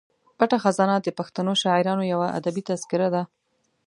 پټه خزانه د پښتنو شاعرانو یوه ادبي تذکره ده.